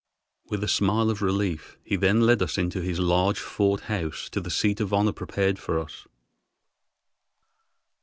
With a smile of relief he then led us into his large fort house to the seat of honor prepared for us.